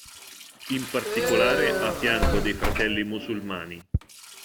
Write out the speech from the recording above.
In particolare, a fianco dei fratelli musulmani.